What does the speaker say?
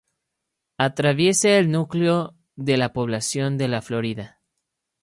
Atraviesa el núcleo de población de La Florida.